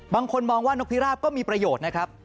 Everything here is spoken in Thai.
บางคนมองว่านกพิราบก็มีประโยชน์นะครับ